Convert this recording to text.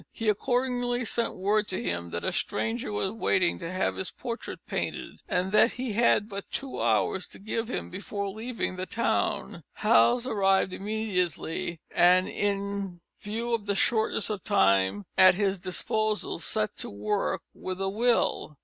He accordingly sent word to him that a stranger was waiting to have his portrait painted, and that he had but two hours to give him before leaving the town. Hals arrived immediately, and, in view of the shortness of time at his disposal, set to work with a will.